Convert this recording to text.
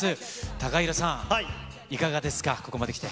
ＴＡＫＡＨＩＲＯさん、いかがですか、ここまできて。